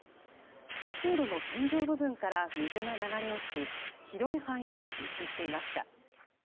地下通路の天井部分から水が流れ落ち広い範囲で浸水していました。